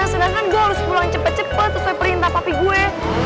sedangkan gue harus pulang cepet cepet setelah perintah papi gue